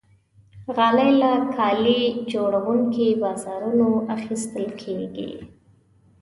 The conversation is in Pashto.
غالۍ له کالي جوړونکي بازارونو اخیستل کېږي.